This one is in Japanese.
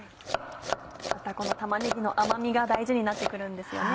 またこの玉ねぎの甘みが大事になって来るんですよね。